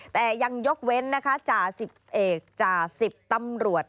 แต่ยังยกเว้นจ่า๑๐เอกจ่า๑๐ตำรวจ